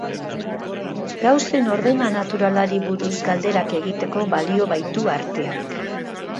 Gauzen ordena naturalari buruz galderak egiteko balio baitu arteak.